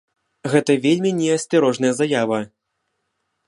Гэта вельмі не асцярожная заява.